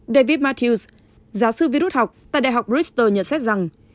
david matthews giáo sư vi rút học tại đại học bristol nhận xét rằng